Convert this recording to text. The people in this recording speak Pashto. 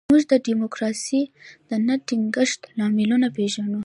موږ د ډیموکراسۍ د نه ټینګښت لاملونه پېژنو.